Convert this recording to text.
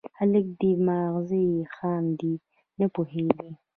_هلک دی، ماغزه يې خام دي، نه پوهېږي.